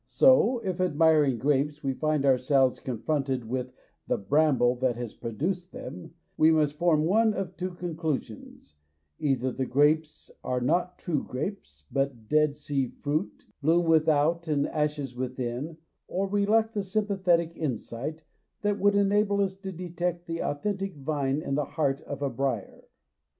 So if admiring grapes we find ourselves confronted with the bramble that has produced them, 216 THE POET WHO WAS 217 we must form one of two conclusions either the grapes are not true grapes, but Dead Sea fruit, bloom without and ashes within, or we lack the sympathetic insight that would enable us to detect the authentic vine in the heart of a briar.